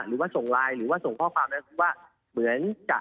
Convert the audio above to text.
หรือว่าส่งไลน์หรือว่าส่งข้อความนั้น